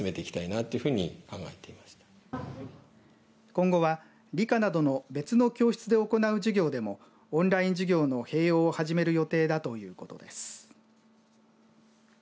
今後は理科などの別の教室で行う授業でもオンライン授業の併用を始める予定だということです。